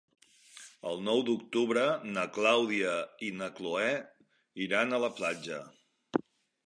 El nou d'octubre na Clàudia i na Cloè iran a la platja.